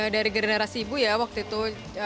dari generasi ibu ya waktu itu